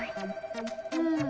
うん。